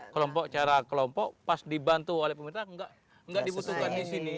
kelompok cara kelompok pas dibantu oleh pemerintah nggak dibutuhkan di sini